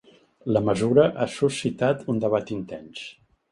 La mesura ha suscitat un debat intens.